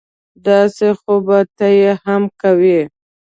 داسې خو به ته یې هم کوې